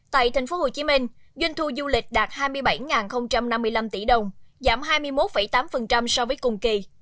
tại tp hcm doanh thu du lịch đạt hai mươi bảy năm mươi năm tỷ đồng giảm hai mươi một tám so với cùng kỳ